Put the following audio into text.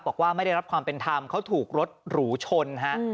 บอกว่าไม่ได้รับความเป็นธรรมเขาถูกรถหรูชนฮะ